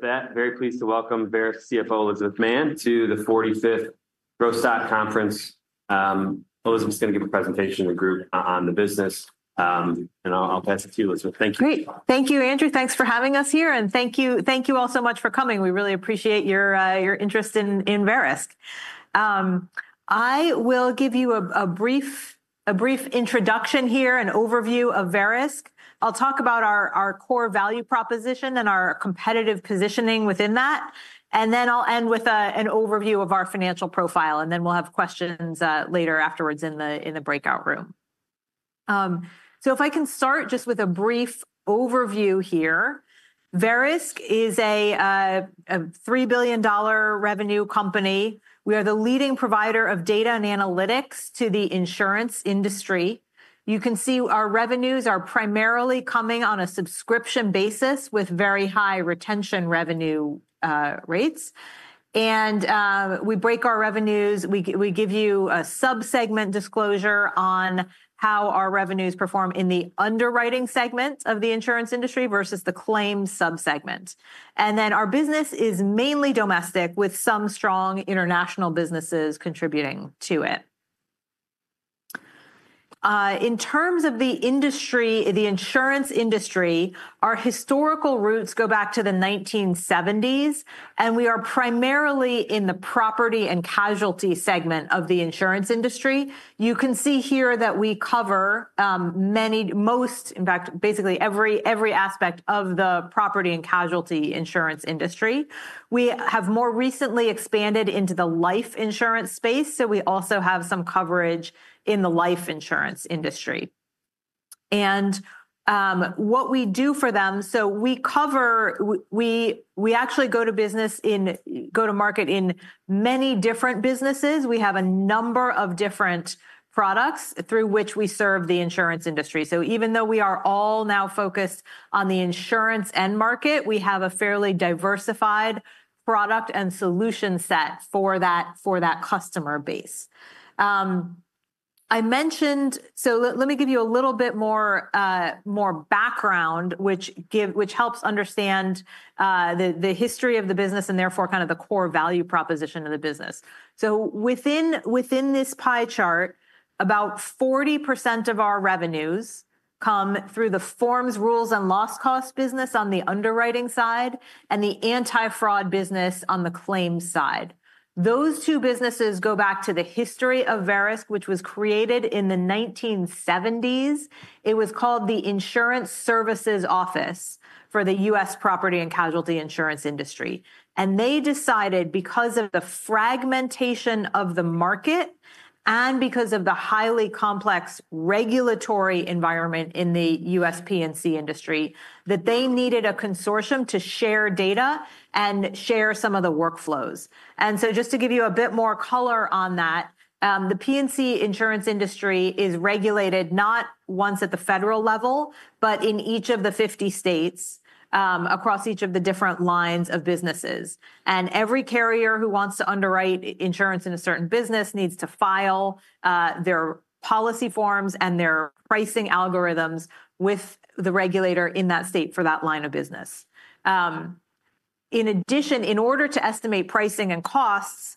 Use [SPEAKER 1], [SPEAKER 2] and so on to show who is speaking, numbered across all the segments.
[SPEAKER 1] With that, very pleased to welcome Verisk CFO, Elizabeth Mann, to the 45th Growth Stock Conference. Elizabeth's going to give a presentation in the group on the business, and I'll pass it to you, Elizabeth. Thank you.
[SPEAKER 2] Great. Thank you, Andrew. Thanks for having us here, and thank you all so much for coming. We really appreciate your interest in Verisk. I will give you a brief introduction here, an overview of Verisk. I'll talk about our core value proposition and our competitive positioning within that, and then I'll end with an overview of our financial profile, and then we'll have questions later afterwards in the breakout room. If I can start just with a brief overview here, Verisk, is a $3 billion revenue company. We are the leading provider of data and analytics, to the insurance industry. You can see our revenues, are primarily coming on a subscription basis with very high retention revenue rates, and we break our revenues. We give you a subsegment disclosure on how our revenues perform in the underwriting segment of the insurance industry versus the claims subsegment. Our business is mainly domestic, with some strong international businesses contributing to it. In terms of the insurance industry, our historical roots go back to the 1970s, and we are primarily in the property and casualty segment of the insurance industry. You can see here that we cover many, most, in fact, basically every aspect of the property and casualty insurance industry. We have more recently expanded into the life insurance space, so we also have some coverage in the life insurance industry. What we do for them, we actually go to business in, go to market in many different businesses. We have a number of different products through which we serve the insurance industry. Even though we are all now focused on the insurance end market, we have a fairly diversified product and solution set for that customer base. I mentioned, so let me give you a little bit more background, which helps understand the history of the business and therefore kind of the core value proposition of the business. Within this pie chart, about 40%, of our revenues, come through the forms, rules, and loss cost business on the underwriting side and the anti-fraud business on the claims side. Those two businesses go back to the history of Verisk, which was created in the 1970s. It was called the Insurance Services Office, for the U.S. property and casualty insurance industry. They decided, because of the fragmentation of the market and because of the highly complex regulatory environment in the U.S. P&C industry, that they needed a consortium to share data and share some of the workflows. Just to give you a bit more color on that, the P&C insurance industry, is regulated not once at the federal level, but in each of the 50 states across each of the different lines of businesses. Every carrier who wants to underwrite insurance in a certain business needs to file their policy forms and their pricing algorithms with the regulator in that state for that line of business. In addition, in order to estimate pricing and costs,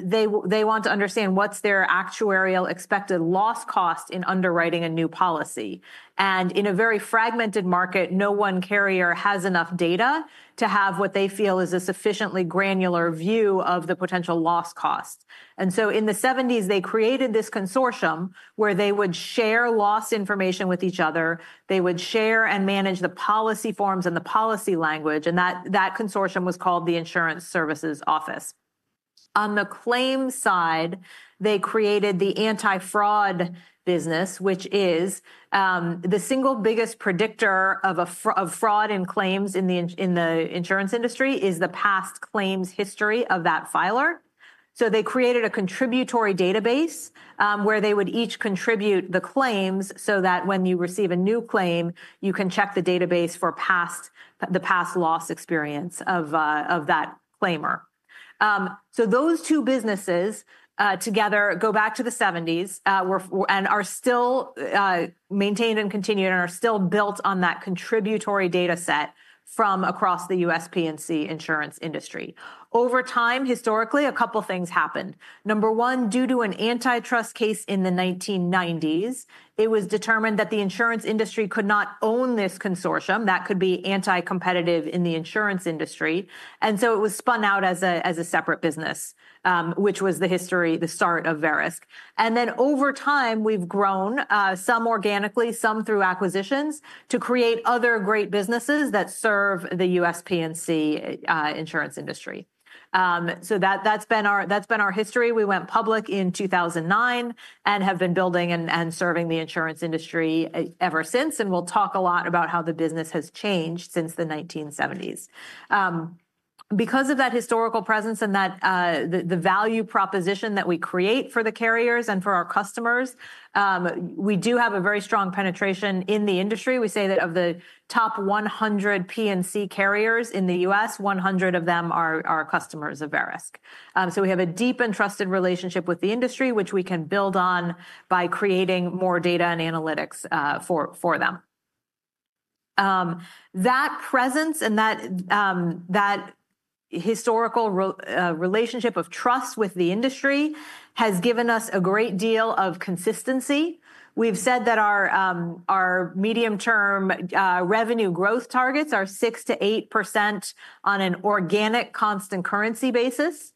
[SPEAKER 2] they want to understand what's their actuarial expected loss cost, in underwriting a new policy. In a very fragmented market, no one carrier has enough data to have what they feel is a sufficiently granular view of the potential loss cost. In the 1970s, they created this consortium where they would share loss information with each other. They would share and manage the policy forms and the policy language, and that consortium was called the Insurance Services Office. On the claims side, they created the anti-fraud business, which is the single biggest predictor of fraud and claims in the insurance industry is the past claims history of that filer. They created a contributory database where they would each contribute the claims so that when you receive a new claim, you can check the database for the past loss experience of that claimer. Those two businesses together go back to the 1970s and are still maintained and continued and are still built on that contributory data set from across the U.S. P&C insurance industry. Over time, historically, a couple of things happened. Number one, due to an antitrust case in the 1990s, it was determined that the insurance industry could not own this consortium. That could be anti-competitive in the insurance industry. It was spun out as a separate business, which was the history, the start of Verisk. Over time, we've grown some organically, some through acquisitions to create other great businesses that serve the U.S. P&C insurance industry. That's been our history. We went public in 2009 and have been building and serving the insurance industry ever since, and we'll talk a lot about how the business has changed since the 1970s. Because of that historical presence and the value proposition that we create for the carriers and for our customers, we do have a very strong penetration in the industry. We say that of the top 100 P&C carriers, in the U.S., 100 of them are customers of Verisk. We have a deep and trusted relationship with the industry, which we can build on by creating more data and analytics for them. That presence and that historical relationship of trust with the industry has given us a great deal of consistency. We have said that our medium-term revenue growth targets, are 6-8%, on an organic constant currency basis.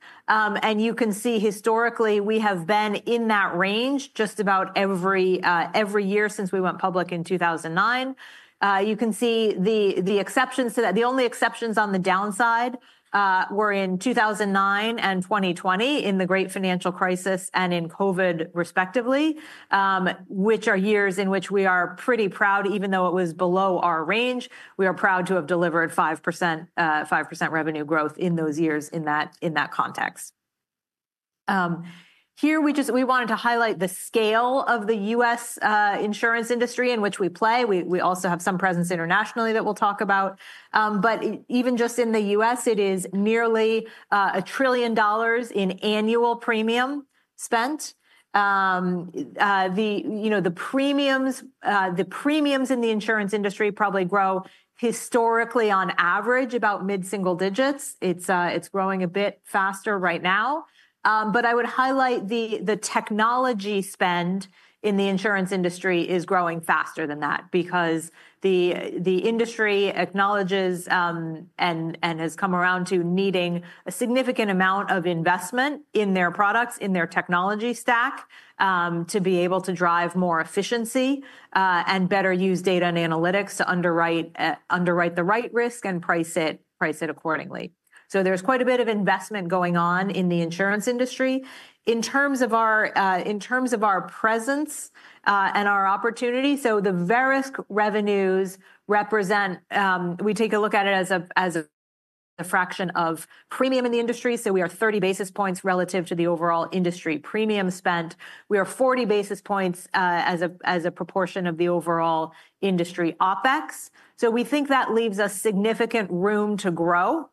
[SPEAKER 2] You can see historically we have been in that range just about every year since we went public in 2009. You can see the exceptions to that. The only exceptions on the downside were in 2009 and 2020 in the great financial crisis and in COVID, respectively, which are years in which we are pretty proud. Even though it was below our range, we are proud to have delivered 5%, revenue growth, in those years in that context. Here we wanted to highlight the scale of the U.S. insurance industry in which we play. We also have some presence internationally that we'll talk about. Even just in the U.S., it is nearly a trillion dollars, in annual premium spent. The premiums in the insurance industry probably grow historically on average about mid-single digits. It's growing a bit faster right now. I would highlight the technology spend in the insurance industry, is growing faster than that because the industry acknowledges and has come around to needing a significant amount of investment in their products, in their technology stack, to be able to drive more efficiency and better use data and analytics to underwrite the right risk and price it accordingly. There is quite a bit of investment going on in the insurance industry. In terms of our presence and our opportunity, the Verisk revenues represent, we take a look at it as a fraction of premium in the industry. We are 30 basis points, relative to the overall industry premium spent. We are 40 basis points, as a proportion of the overall industry OpEx. We think that leaves us significant room to grow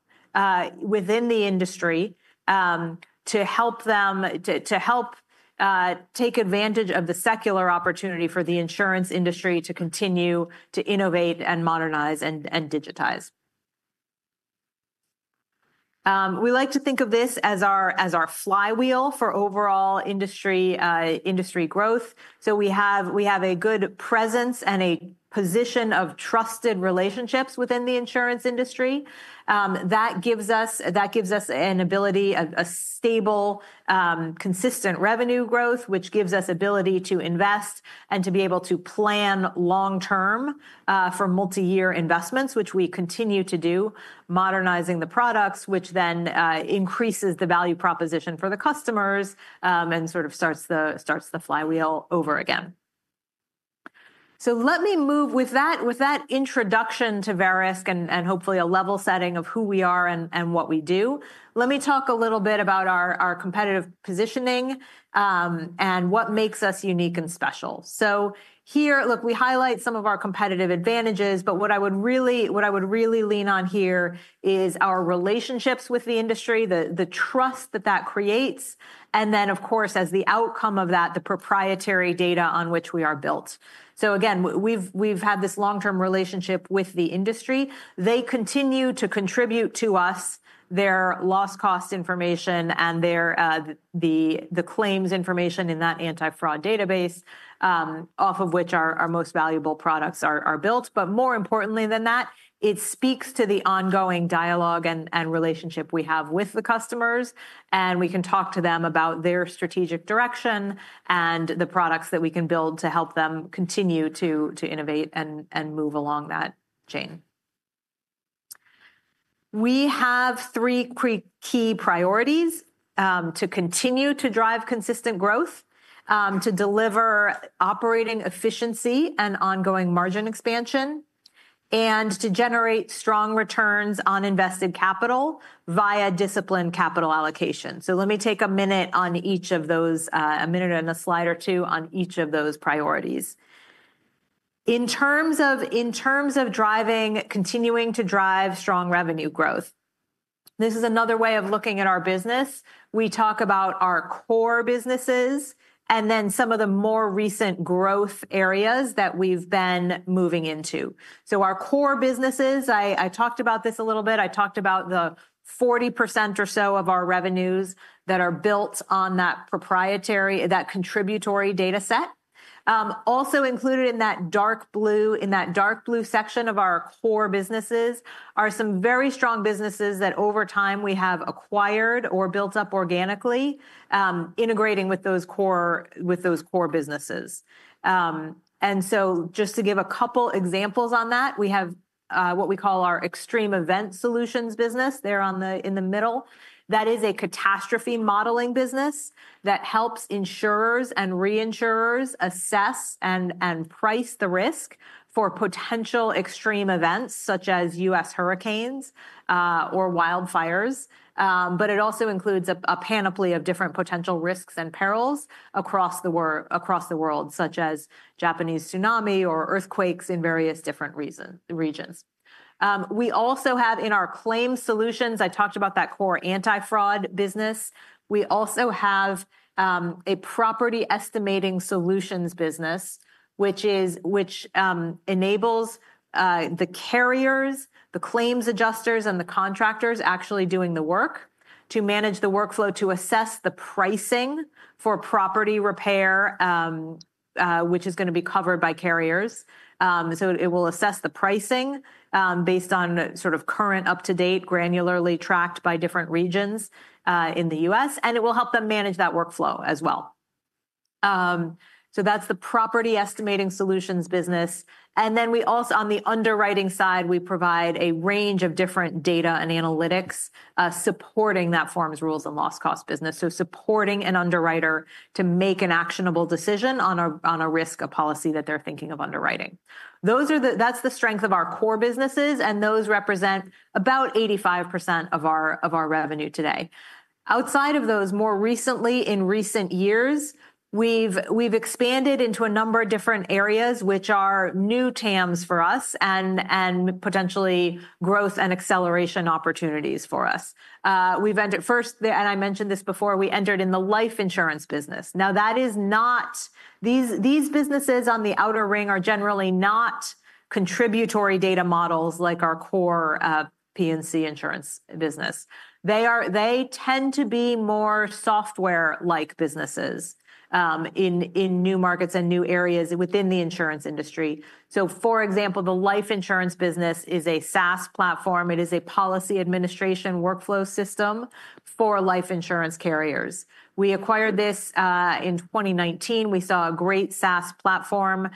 [SPEAKER 2] within the industry to help them take advantage of the secular opportunity for the insurance industry to continue to innovate and modernize and digitize. We like to think of this as our flywheel for overall industry growth. We have a good presence and a position of trusted relationships within the insurance industry. That gives us an ability, a stable, consistent revenue growth, which gives us ability to invest and to be able to plan long-term for multi-year investments, which we continue to do, modernizing the products, which then increases the value proposition for the customers and sort of starts the flywheel over again. Let me move with that introduction to Verisk, and hopefully a level setting of who we are and what we do. Let me talk a little bit about our competitive positioning and what makes us unique and special. Here, look, we highlight some of our competitive advantages, but what I would really lean on here is our relationships with the industry, the trust that that creates, and then, of course, as the outcome of that, the proprietary data on which we are built. Again, we've had this long-term relationship with the industry. They continue to contribute to us their loss cost information and the claims information in that anti-fraud database, off of which our most valuable products are built. More importantly than that, it speaks to the ongoing dialogue and relationship we have with the customers, and we can talk to them about their strategic direction and the products that we can build to help them continue to innovate and move along that chain. We have three key priorities to continue to drive consistent growth, to deliver operating efficiency and ongoing margin expansion, and to generate strong returns on invested capital via disciplined capital allocation. Let me take a minute on each of those, a minute and a slide or two on each of those priorities. In terms of driving, continuing to drive strong revenue growth, this is another way of looking at our business. We talk about our core businesses, and then some of the more recent growth areas that we've been moving into. Our core businesses, I talked about this a little bit. I talked about the 40%, or so of our revenues, that are built on that proprietary, that contributory data set. Also included in that dark blue, in that dark blue section, of our core businesses are some very strong businesses that over time we have acquired or built up organically, integrating with those core businesses. Just to give a couple of examples on that, we have what we call our Extreme Event Solutions business. They are in the middle. That is a catastrophe modeling business, that helps insurers and reinsurers assess and price the risk for potential extreme events such as U.S. hurricanes or wildfires. It also includes a panoply of different potential risks and perils across the world, such as Japanese tsunami or earthquakes, in various different regions. We also have in our claim solutions, I talked about that core anti-fraud business. We also have a property estimating solutions business, which enables the carriers, the claims adjusters, and the contractors actually doing the work to manage the workflow to assess the pricing for property repair, which is going to be covered by carriers. It will assess the pricing based on sort of current up-to-date, granularly tracked by different regions in the U.S., and it will help them manage that workflow as well. That is the property estimating solutions business. We also, on the underwriting side, provide a range of different data and analytics supporting that forms, rules, and loss cost business. Supporting an underwriter to make an actionable decision on a risk, a policy that they're thinking of underwriting. That's the strength of our core businesses, and those represent about 85%, of our revenue today. Outside of those, more recently, in recent years, we've expanded into a number of different areas, which are new TAMs, for us and potentially growth and acceleration opportunities for us. We've entered first, and I mentioned this before, we entered in the life insurance business. Now, that is not, these businesses on the outer ring are generally not contributory data models like our core P&C insurance business. They tend to be more software-like businesses in new markets and new areas within the insurance industry. For example, the life insurance business is a SaaS platform. It is a policy administration workflow system for life insurance carriers. We acquired this in 2019. We saw a great SaaS platform,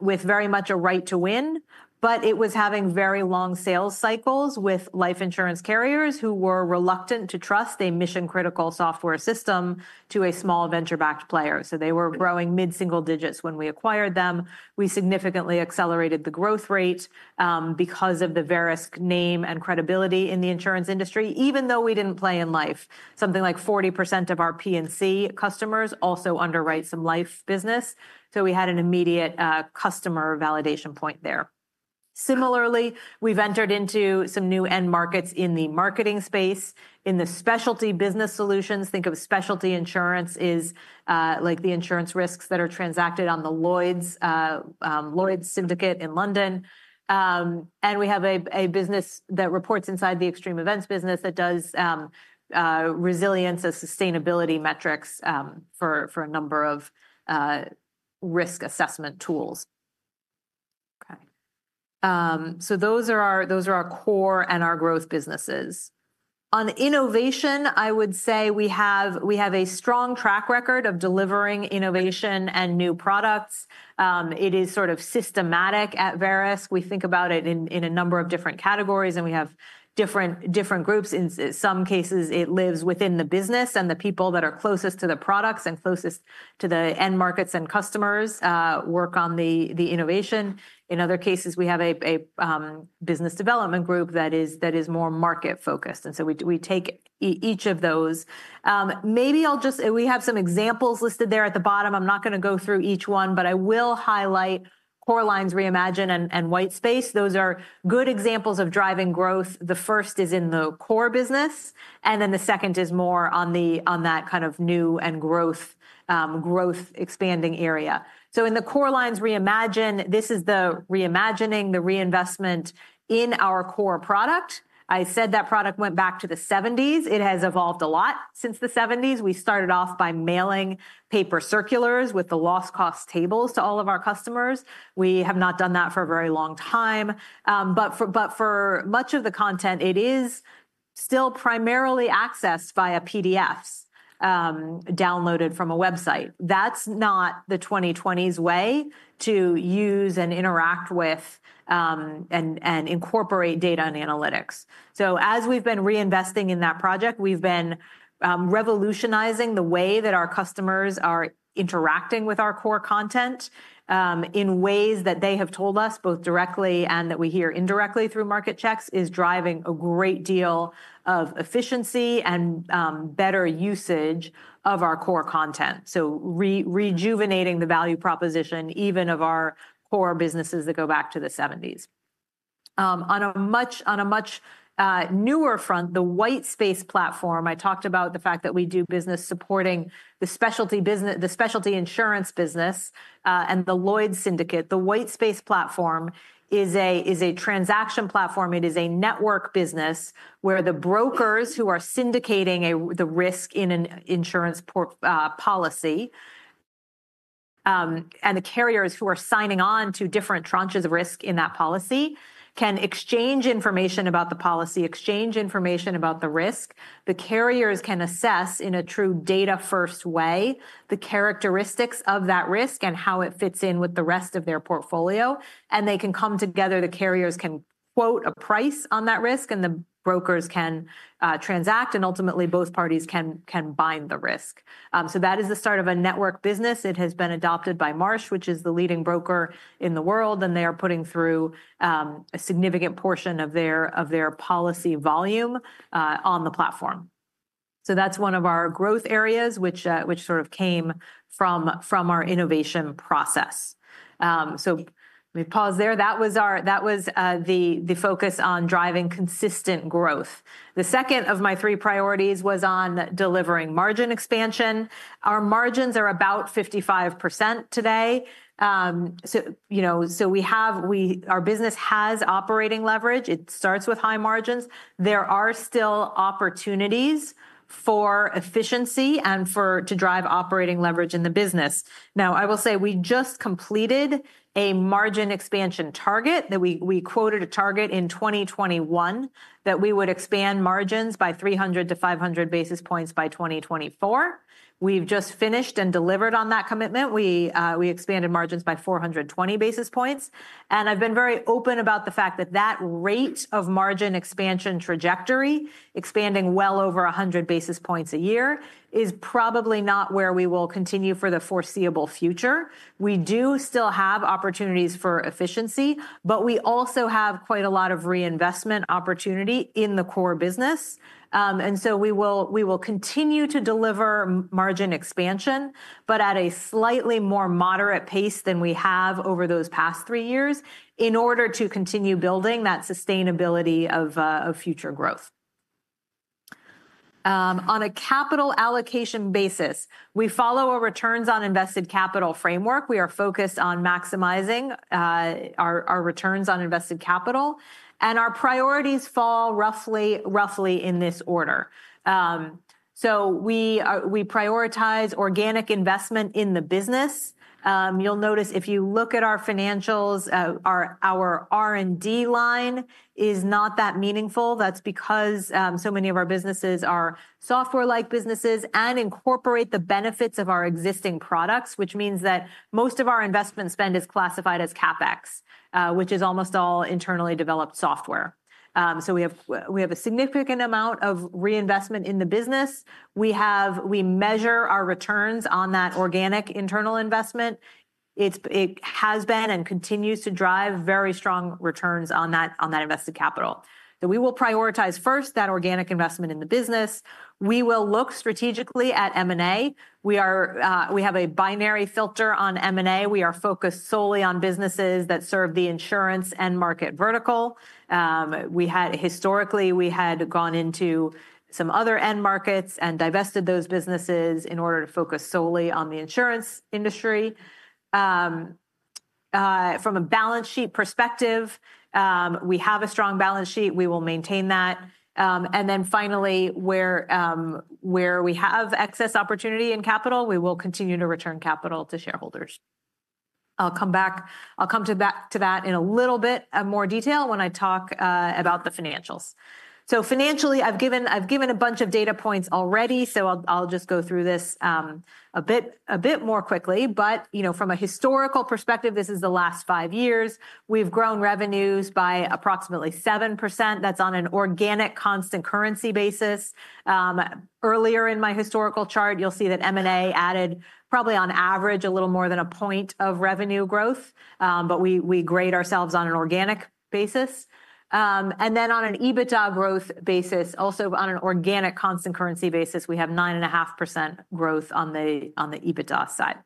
[SPEAKER 2] with very much a right to win, but it was having very long sales cycles with life insurance carriers who were reluctant to trust a mission-critical software system to a small venture-backed player. They were growing mid-single digits when we acquired them. We significantly accelerated the growth rate because of the Verisk, name and credibility in the insurance industry, even though we did not play in life. Something like 40%, of our P&C customers, also underwrite some life business. We had an immediate customer validation point there. Similarly, we have entered into some new end markets in the marketing space in the specialty business solutions. Think of specialty insurance as like the insurance risks that are transacted on the Lloyd's Syndicate in London. We have a business that reports inside the Extreme Event Solutions business, that does resilience and sustainability metrics for a number of risk assessment tools. Okay. Those are our core and our growth businesses. On innovation, I would say we have a strong track record of delivering innovation and new products. It is sort of systematic at Verisk. We think about it in a number of different categories, and we have different groups. In some cases, it lives within the business and the people that are closest to the products and closest to the end markets and customers work on the innovation. In other cases, we have a business development group that is more market-focused. We take each of those. Maybe I'll just, we have some examples listed there at the bottom. I'm not going to go through each one, but I will highlight Core Lines Reimagine and Whitespace. Those are good examples of driving growth. The first is in the core business, and then the second is more on that kind of new and growth expanding area. In the Core Lines Reimagine, this is the reimagining, the reinvestment in our core product. I said that product went back to the 1970s. It has evolved a lot since the 1970s. We started off by mailing paper circulars with the loss cost tables to all of our customers. We have not done that for a very long time. For much of the content, it is still primarily accessed via PDFs downloaded from a website. That is not the 2020s way to use and interact with and incorporate data and analytics. As we've been reinvesting in that project, we've been revolutionizing the way that our customers are interacting with our core content in ways that they have told us both directly and that we hear indirectly through market checks is driving a great deal of efficiency and better usage of our core content. Rejuvenating the value proposition even of our core businesses that go back to the 1970s. On a much newer front, the Whitespace platform, I talked about the fact that we do business supporting the specialty insurance business and the Lloyd's Syndicate. The Whitespace platform, is a transaction platform. It is a network business where the brokers who are syndicating the risk in an insurance policy and the carriers who are signing on to different tranches of risk in that policy can exchange information about the policy, exchange information about the risk. The carriers can assess in a true data-first way the characteristics of that risk and how it fits in with the rest of their portfolio. They can come together. The carriers can quote a price on that risk, and the brokers can transact, and ultimately, both parties can bind the risk. That is the start of a network business. It has been adopted by Marsh, which is the leading broker in the world, and they are putting through a significant portion of their policy volume on the platform. That is one of our growth areas, which sort of came from our innovation process. Let me pause there. That was the focus on driving consistent growth. The second of my three priorities was on delivering margin expansion. Our margins are about 55% today. Our business has operating leverage. It starts with high margins. There are still opportunities for efficiency and to drive operating leverage in the business. Now, I will say we just completed a margin expansion target, that we quoted a target in 2021 that we would expand margins by 300-500 basis points, by 2024. We've just finished and delivered on that commitment. We expanded margins by 420 basis points. I've been very open about the fact that that rate of margin expansion trajectory, expanding well over 100 basis points a year, is probably not where we will continue for the foreseeable future. We do still have opportunities for efficiency, but we also have quite a lot of reinvestment opportunity in the core business. We will continue to deliver margin expansion, but at a slightly more moderate pace than we have over those past three years in order to continue building that sustainability of future growth. On a capital allocation basis, we follow a returns on invested capital framework. We are focused on maximizing our returns on invested capital. Our priorities fall roughly in this order. We prioritize organic investment in the business. You'll notice if you look at our financials, our R&D line, is not that meaningful. That's because so many of our businesses are software-like businesses and incorporate the benefits of our existing products, which means that most of our investment spend is classified as CapEx, which is almost all internally developed software. We have a significant amount of reinvestment in the business. We measure our returns on that organic internal investment. It has been and continues to drive very strong returns on that invested capital. We will prioritize first that organic investment in the business. We will look strategically at M&A. We have a binary filter on M&A. We are focused solely on businesses that serve the insurance end market vertical. Historically, we had gone into some other end markets and divested those businesses in order to focus solely on the insurance industry. From a balance sheet perspective, we have a strong balance sheet. We will maintain that. Finally, where we have excess opportunity in capital, we will continue to return capital to shareholders. I'll come back to that in a little bit more detail when I talk about the financials. Financially, I've given a bunch of data points already, so I'll just go through this a bit more quickly. From a historical perspective, this is the last five years. We've grown revenues, by approximately 7%. That's on an organic constant currency basis. Earlier in my historical chart, you'll see that M&A, added probably on average a little more than a point of revenue growth, but we grade ourselves on an organic basis. On an EBITDA growth basis, also on an organic constant currency basis, we have 9.5%, growth on the EBITDA side.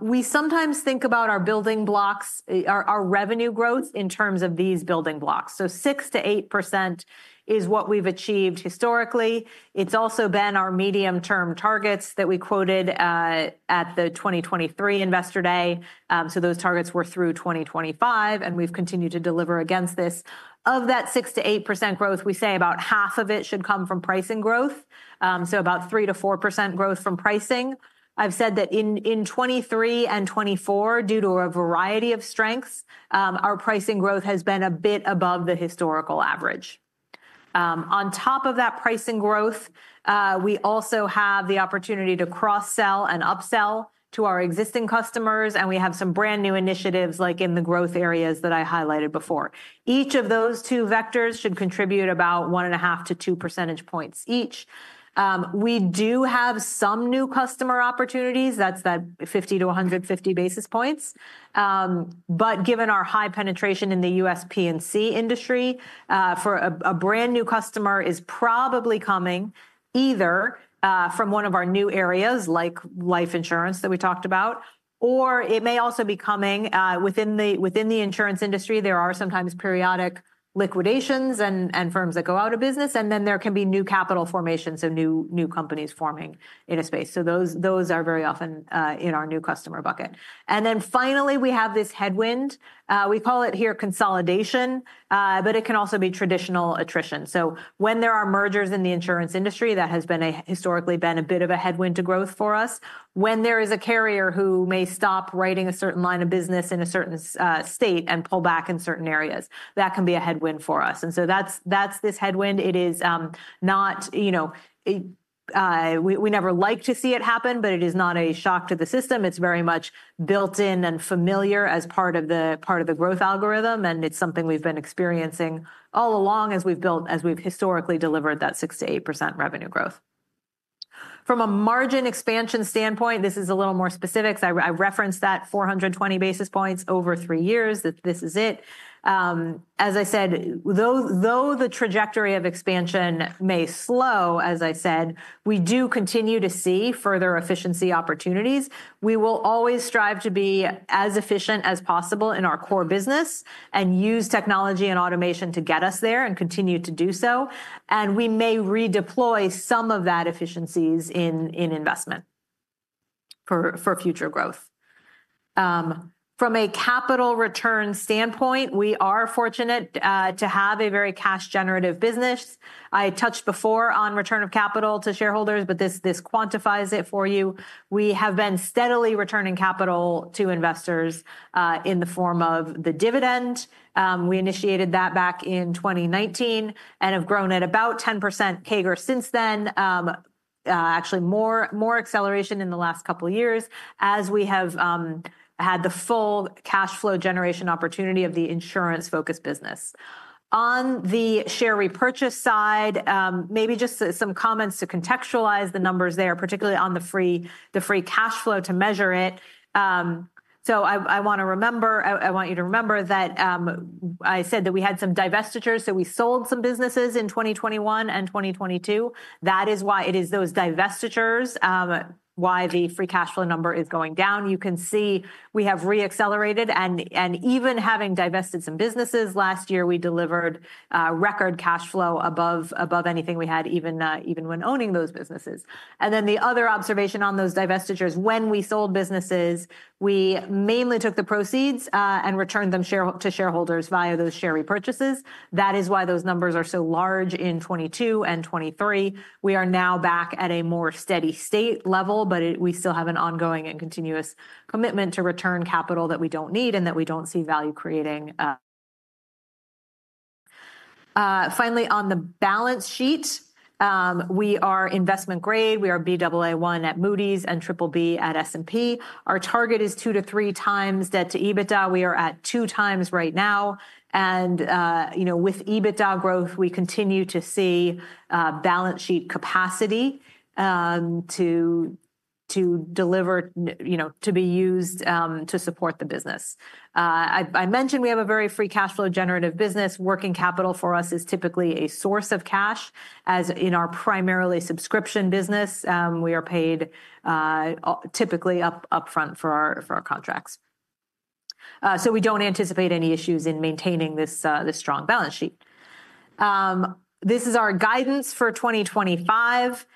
[SPEAKER 2] We sometimes think about our building blocks, our revenue growth in terms of these building blocks. 6-8%, is what we've achieved historically. It's also been our medium-term targets that we quoted at the 2023 Investor Day. Those targets were through 2025, and we've continued to deliver against this. Of that 6-8% growth, we say about half of it should come from pricing growth, so about 3-4% growth from pricing. I've said that in 2023 and 2024, due to a variety of strengths, our pricing growth has been a bit above the historical average. On top of that pricing growth, we also have the opportunity to cross-sell and upsell to our existing customers, and we have some brand new initiatives like in the growth areas that I highlighted before. Each of those two vectors should contribute about 1.5-2 percentage points each. We do have some new customer opportunities. That's that 50-150 basis points. Given our high penetration in the U.S. P&C industry, a brand new customer is probably coming either from one of our new areas like life insurance that we talked about, or it may also be coming within the insurance industry. There are sometimes periodic liquidations and firms that go out of business, and then there can be new capital formations of new companies forming in a space. Those are very often in our new customer bucket. Finally, we have this headwind. We call it here consolidation, but it can also be traditional attrition. When there are mergers in the insurance industry, that has historically been a bit of a headwind to growth for us. When there is a carrier who may stop writing a certain line of business in a certain state and pull back in certain areas, that can be a headwind for us. That is this headwind. It is not, we never like to see it happen, but it is not a shock to the system. It's very much built-in and familiar as part of the growth algorithm, and it's something we've been experiencing all along as we've historically delivered that 6-8% revenue growth. From a margin expansion standpoint, this is a little more specific. I referenced that 420 basis points, over three years. This is it. As I said, though the trajectory of expansion may slow, as I said, we do continue to see further efficiency opportunities. We will always strive to be as efficient as possible in our core business and use technology and automation to get us there and continue to do so. We may redeploy some of that efficiencies in investment for future growth. From a capital return standpoint, we are fortunate to have a very cash-generative business. I touched before on return of capital to shareholders, but this quantifies it for you. We have been steadily returning capital to investors in the form of the dividend. We initiated that back in 2019 and have grown at about 10%, CAGR, since then, actually more acceleration in the last couple of years as we have had the full cash flow generation opportunity of the insurance-focused business. On the share repurchase side, maybe just some comments to contextualize the numbers there, particularly on the free cash flow to measure it. I want you to remember that I said that we had some divestitures. We sold some businesses in 2021 and 2022. That is why it is those divestitures, why the free cash flow, number is going down. You can see we have reaccelerated. Even having divested some businesses last year, we delivered record cash flow above anything we had even when owning those businesses. The other observation on those divestitures, when we sold businesses, we mainly took the proceeds and returned them to shareholders via those share repurchases. That is why those numbers are so large in 2022 and 2023. We are now back at a more steady state level, but we still have an ongoing and continuous commitment to return capital, that we do not need and that we do not see value creating. Finally, on the balance sheet, we are investment grade. We are Baa1, at Moody's and BBB at S&P. Our target is 2-3 times, debt to EBITDA. We are at 2 times right now. With EBITDA growth, we continue to see balance sheet capacity to deliver, to be used to support the business. I mentioned we have a very free cash flow generative business. Working capital, for us is typically a source of cash. As in our primarily subscription business, we are paid typically upfront for our contracts. We do not anticipate any issues in maintaining this strong balance sheet. This is our guidance for 2025.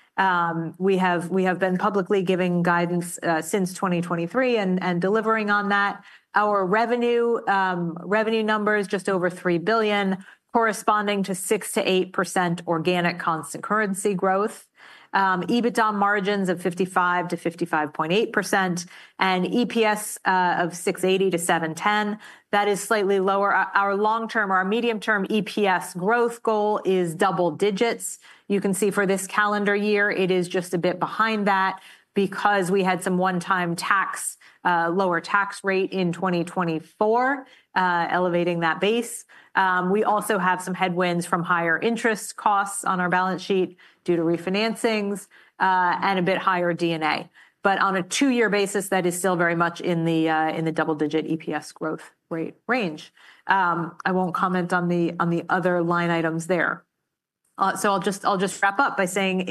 [SPEAKER 2] We have been publicly giving guidance since 2023 and delivering on that. Our revenue, numbers just over $3 billion, corresponding to 6%-8%, organic constant currency growth. EBITDA margins, of 55%-55.8%, and EPS, of $6.80-$7.10. That is slightly lower. Our long-term or our medium-term EPS growth goal, is double digits. You can see for this calendar year, it is just a bit behind that because we had some one-time lower tax rate in 2024, elevating that base. We also have some headwinds from higher interest costs on our balance sheet due to refinancings and a bit higher D&A. On a two-year basis, that is still very much in the double-digit EPS growth range. I won't comment on the other line items there. I'll just wrap up by saying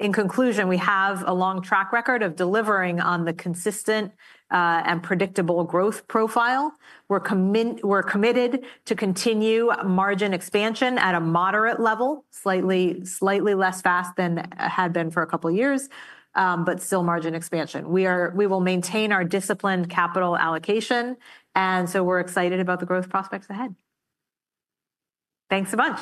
[SPEAKER 2] in conclusion, we have a long track record of delivering on the consistent and predictable growth profile. We're committed to continue margin expansion at a moderate level, slightly less fast than it had been for a couple of years, but still margin expansion. We will maintain our disciplined capital allocation. We're excited about the growth prospects ahead. Thanks so much.